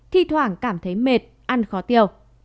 thi thoảng cảm thấy mệt ăn khó tiêu